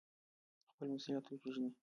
خپل مسوولیت وپیژنئ